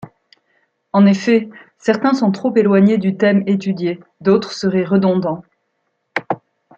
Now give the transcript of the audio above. En effet, certains sont trop éloignés du thème étudié, d'autres seraient redondants.